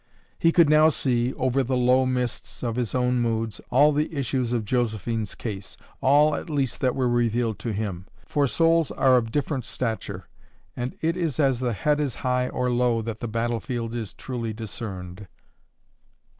He could now see, over the low mists of his own moods, all the issues of Josephine's case all, at least, that were revealed to him; for souls are of different stature, and it is as the head is high or low that the battlefield is truly discerned.